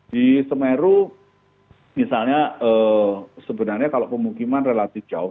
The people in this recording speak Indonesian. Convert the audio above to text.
di semeru misalnya sebenarnya kalau pemukiman relatif jauh